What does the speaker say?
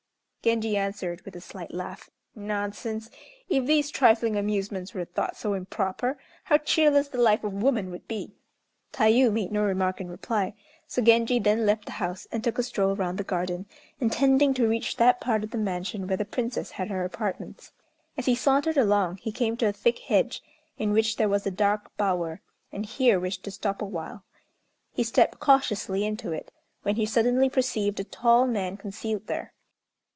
Genji answered, with a slight laugh: "Nonsense! If these trifling amusements were thought so improper, how cheerless the life of woman would be!" Tayû made no remark in reply; so Genji then left the house, and took a stroll round the garden, intending to reach that part of the mansion where the Princess had her apartments. As he sauntered along, he came to a thick hedge, in which there was a dark bower, and here wished to stop awhile. He stepped cautiously into it, when he suddenly perceived a tall man concealed there.